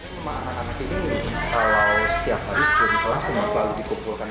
rumah anak anak ini kalau setiap hari sebelum kelas cuma selalu dikumpulkan